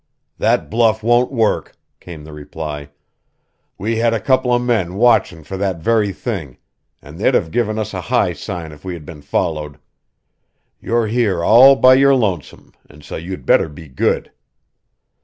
"That bluff won't work," came the reply. "We had a couple of men watchin' for that very thing, and they'd have given us a high sign if we had been followed. You're here all by your lonesome, and so you'd better be good."